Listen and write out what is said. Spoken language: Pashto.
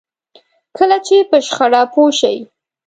کله چې په شخړه پوه شئ.